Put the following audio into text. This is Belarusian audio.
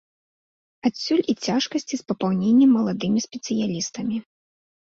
Адсюль і цяжкасці з папаўненнем маладымі спецыялістамі.